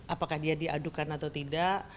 apakah dia diadukan atau tidak